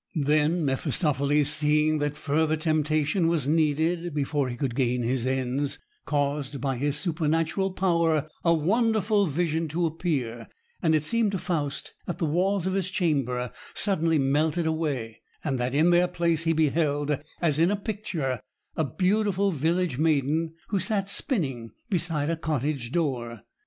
Then Mephistopheles, seeing that further temptation was needed before he could gain his ends, caused by his supernatural power a wonderful vision to appear; and it seemed to Faust that the walls of his chamber suddenly melted away, and that in their place he beheld, as in a picture, a beautiful village maiden, who sat spinning beside a cottage door.